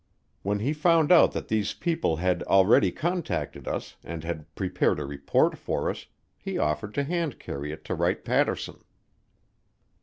When he found out that these people had already contacted us and had prepared a report for us, he offered to hand carry it to Wright Patterson.